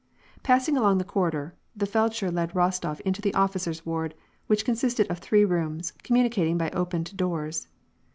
Passing along the corrider, the feldsher led Rostof into the officer's ward, which consisted of three rooms, communicating by opened doors.